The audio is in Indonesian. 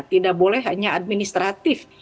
tidak boleh hanya administratif